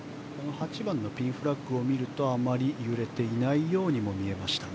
８番のピンフラッグを見るとあまり揺れていないようにも見えましたが。